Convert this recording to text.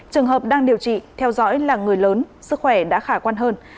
trường hợp đang điều trị theo dõi là người lớn sức khỏe đã khả quan hơn